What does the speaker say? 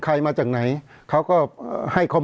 เพราะฉะนั้นประชาธิปไตยเนี่ยคือการยอมรับความเห็นที่แตกต่าง